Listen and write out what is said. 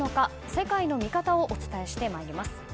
世界のミカタをお伝えしてまいります。